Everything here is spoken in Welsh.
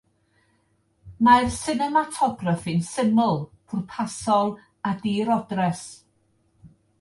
Mae'r sinematograffi'n syml, pwrpasol a dirodres.